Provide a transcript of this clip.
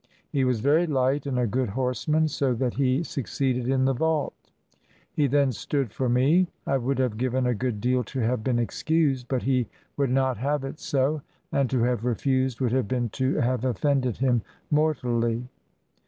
He was very light and a good horseman, so that he suc ceeded in the vault. He then stood for me. I would have given a good deal to have been excused; but he would not have it so, and to have refused would have been to have offended him mortally.